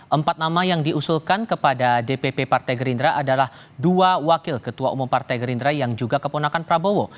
empat nama yang diusulkan kepada dpp partai gerindra adalah dua wakil ketua umum partai gerindra yang juga keponakan prabowo